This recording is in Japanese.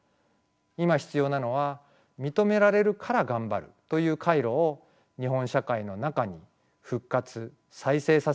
今必要なのは「認められるからがんばる」という回路を日本社会の中に復活再生させることではないでしょうか。